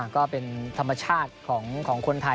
ก็เป็นธรรมชาติของคนไทย